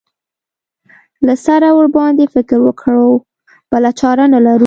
له سره ورباندې فکر وکړو بله چاره نه لرو.